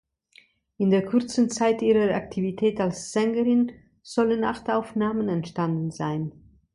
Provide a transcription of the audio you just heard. In der kurzen Zeit ihrer Aktivität als Sängerin sollen acht Aufnahmen entstanden sein.